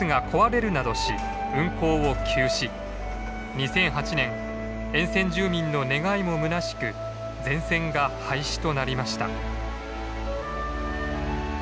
２００８年沿線住民の願いもむなしく全線が廃止となりました。